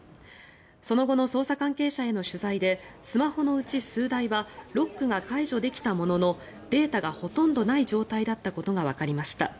その後の捜査関係者への取材でスマホのうち数台はロックが解除できたもののデータがほとんどない状態だったことがわかりました。